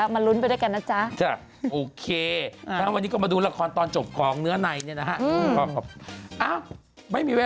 ไม่บอกสิอันนั้นเกินไป